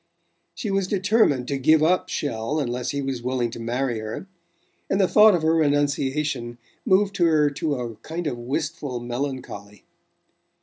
She was determined to give up Chelles unless he was willing to marry her; and the thought of her renunciation moved her to a kind of wistful melancholy.